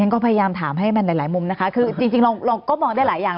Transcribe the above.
ก็พยายามถามให้มันหลายมุมนะคะคือจริงเราก็มองได้หลายอย่าง